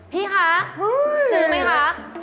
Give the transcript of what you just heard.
พี่คะซื้อไหมคะ